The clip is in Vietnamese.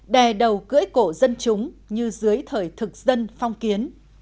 đè đầu cưỡi cổ dân chúng như dưới thời thực dân phong kiến